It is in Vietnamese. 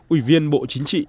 ủy viên bộ chính trị